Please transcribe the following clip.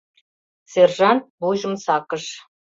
Сержант вуйжым сакыш.